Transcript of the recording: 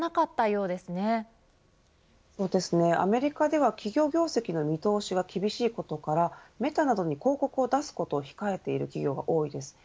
そうですね、アメリカでは企業業績の見通しが厳しいことからメタなどに広告を出すことを控えている企業が多いです。